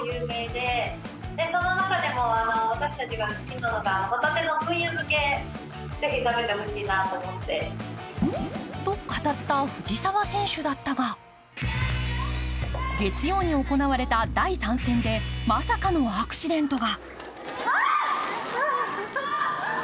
そこでと、語った藤澤選手だったが、月曜に行われた第３戦でまさかのアクシデントが。